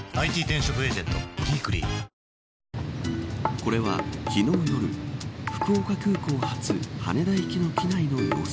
これは、昨日夜福岡空港発羽田行きの機内の様子。